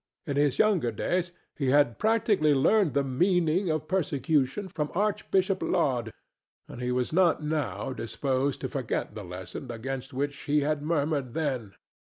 In his younger days he had practically learned the meaning of persecution from Archbishop Laud, and he was not now disposed to forget the lesson against which he had murmured then.